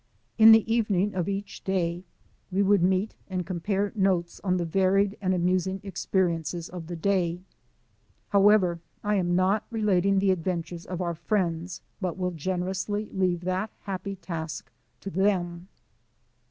In the evening of each day we would meet and compare notes on the varied and amusing experiences of the day. However, I am not relating the adventures of our friends, but will generously leave that happy task to them.